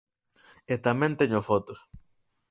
E tamén teño fotos.